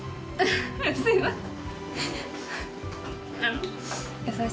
すいません。